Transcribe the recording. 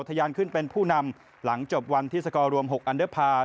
ทยานขึ้นเป็นผู้นำหลังจบวันที่สกอร์รวม๖อันเดอร์พาร์